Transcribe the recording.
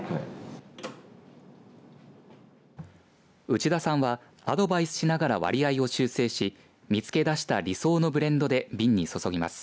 内田さんはアドバイスしながら割合を修正し見つけ出した理想のブレンドで瓶に注ぎます。